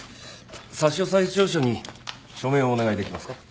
差押調書に署名をお願いできますか？